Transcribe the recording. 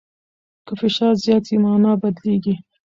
که فشار زیات سي، مانا بدلیږي.